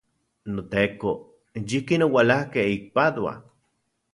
NoTeko, yikin oualakej ik Padua.